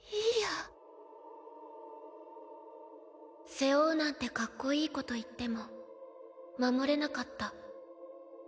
背負うなんてかっこいいこと言っても守れなかった。